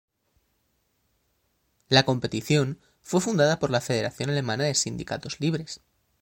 La competición fue fundada por la Federación Alemana de Sindicatos Libres.